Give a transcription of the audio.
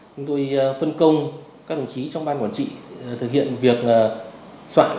chúng tôi phân công các đồng chí trong ban quản trị thực hiện việc soạn